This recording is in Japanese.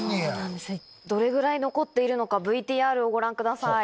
どれぐらい残っているのかＶＴＲをご覧ください。